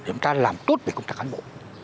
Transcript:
chúng ta làm tốt về công tác cán bộ